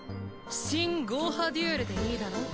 真ゴーハデュエルでいいだろう？